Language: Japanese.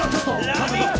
「ラヴィット！」